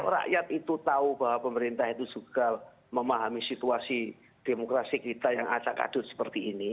rakyat itu tahu bahwa pemerintah itu juga memahami situasi demokrasi kita yang acak adut seperti ini